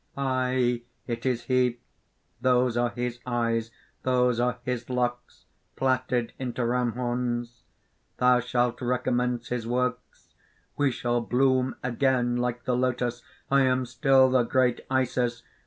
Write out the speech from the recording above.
_) "Aye! it is he. Those are his eyes; those are his locks, plaited into ram horns! Thou shalt recommence his works. We shall bloom again like the lotus. I am still the Great Isis!